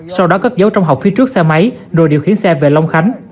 sau đó cất dấu trong hộp phía trước xe máy rồi điều khiến xe về long khánh